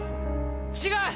違う！